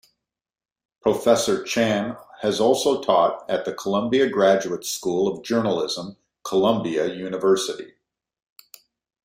Professor Chan has also taught at the Columbia Graduate School of Journalism, Columbia University.